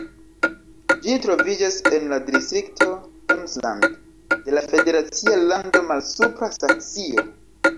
Ĝi troviĝas en la distrikto Emsland de la federacia lando Malsupra Saksio.